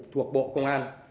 thuộc bộ công an